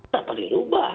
nah paling ubah